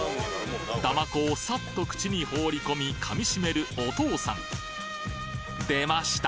だまこをサッと口に放り込み噛みしめるお父さん出ました！